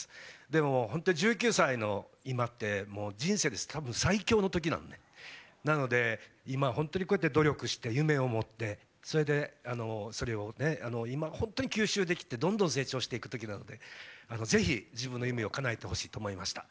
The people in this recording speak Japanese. でも、１９歳の今って人生で最強のときなんでなので、今、本当にこうやって努力して夢を持って、それで今、吸収してどんどん成長していくときなのでぜひ、自分の夢をかなえてほしいと思いました。